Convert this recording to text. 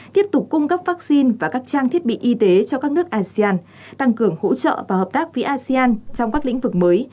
tiếp tục cung cấp vaccine và các trang thiết bị y tế cho các nước asean tăng cường hỗ trợ và hợp tác với asean trong các lĩnh vực mới